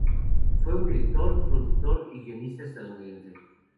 Fue un director, productor y guionista estadounidense.